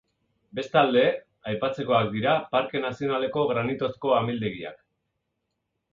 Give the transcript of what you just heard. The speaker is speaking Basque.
Bestalde, aipatzekoak dira parke nazionaleko granitozko amildegiak.